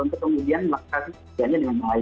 untuk kemudian melakukan pekerjaannya dengan yang lain